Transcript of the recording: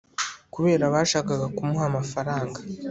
kubera bashakaga kumuha amafaranga